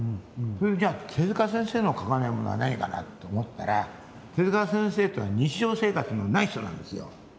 じゃあ手先生の描かないものは何かな？と思ったら手先生っていうのは日常生活のない人なんですよ。